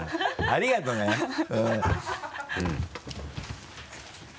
ありがとうございます。